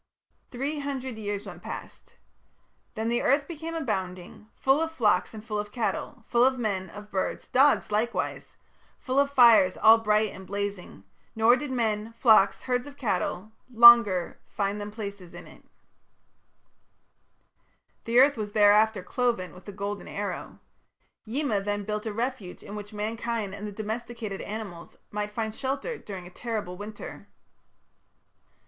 Three hundred years went past Then the earth became abounding, Full of flocks and full of cattle, Full of men, of birds, dogs likewise, Full of fires all bright and blazing, Nor did men, flocks, herds of cattle, Longer find them places in it. Jackson's Translation. The earth was thereafter cloven with a golden arrow. Yima then built a refuge in which mankind and the domesticated animals might find shelter during a terrible winter.